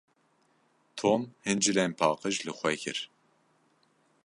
Tom hin cilên paqij li xwe kir.